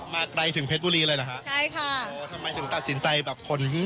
ไกลถึงเพชรบุรีเลยเหรอฮะใช่ค่ะโอ้ทำไมถึงตัดสินใจแบบขน